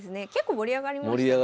盛り上がりました。